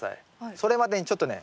それまでにちょっとね